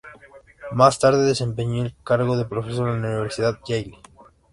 Más tarde desempeñó el cargo de profesor en la Universidad Yale.